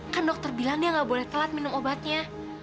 kan dokter bilang ya gak boleh telat minum obatnya